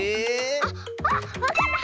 ⁉あっあっわかった！